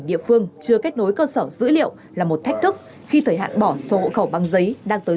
địa phương chưa kết nối cơ sở dữ liệu là một thách thức khi thời hạn bỏ sổ hộ khẩu bằng giấy đang tới